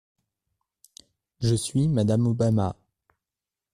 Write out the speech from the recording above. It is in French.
Je suis madame Obama.